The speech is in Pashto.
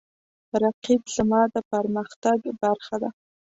رقیب زما د پرمختګ برخه ده